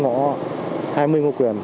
hai mươi ngôi quyền